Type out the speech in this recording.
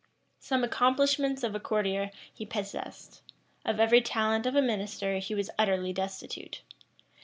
Some accomplishments of a courtier he possessed: of every talent of a minister he was utterly destitute.